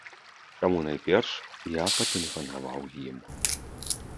Таму найперш я патэлефанаваў ім.